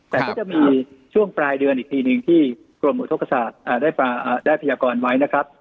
แต่ก็จะมีช่วงปลายเดือนอีกทีหนึ่งที่กรมอุทธกษศาสตร์ได้พยากรไว้นะครับ